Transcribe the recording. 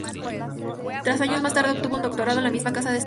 Tres años más tarde obtuvo un doctorado en la misma casa de estudios.